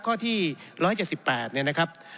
ข้อที่๑๗๘เนี่ยนะครับ